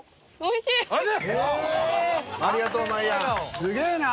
「おいしい！」。